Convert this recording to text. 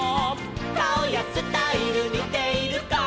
「かおやスタイルにているか」